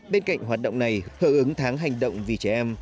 bên cạnh hoạt động này hợp ứng tháng hành động vì trẻ em